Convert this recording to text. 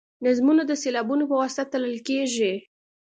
نظمونه د سېلابونو په واسطه تلل کیږي.